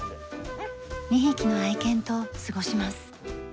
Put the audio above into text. ２匹の愛犬と過ごします。